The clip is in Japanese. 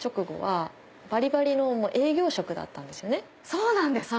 そうなんですか？